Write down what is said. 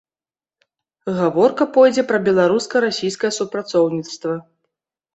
Гаворка пойдзе пра беларуска-расійскае супрацоўніцтва.